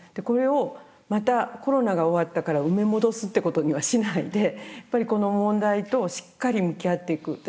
これをまたコロナが終わったから埋め戻すってことにはしないでやっぱりこの問題としっかり向き合っていく。